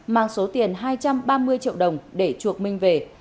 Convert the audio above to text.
mang số tiền hai trăm ba mươi triệu đồng để chuộc minh về